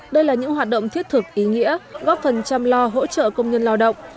đây là những hoạt động thiết thực ý nghĩa góp phần chăm lo hỗ trợ công nhân lao động